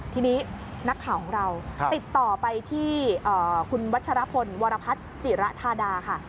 ทีนี้นักข่าวของเราติดต่อไปที่คุณวัชรพลวรพัฒน์จิระธาดาค่ะ